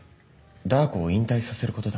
ダー子を引退させることだ。